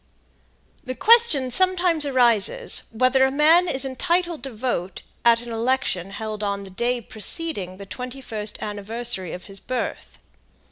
The question sometimes arises whether it man is entitled to vote at an election held on the day preceding the twenty first anniversary of his birth.